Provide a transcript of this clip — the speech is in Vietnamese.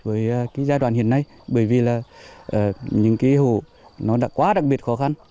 với giai đoạn hiện nay bởi vì là những cái hộ nó đã quá đặc biệt khó khăn